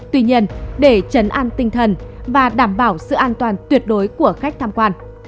tuy nhiên để chấn an tinh thần và đảm bảo sự an toàn tuyệt đối của khách tham quan